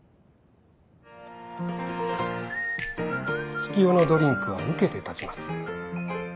月夜野ドリンクは受けて立ちます。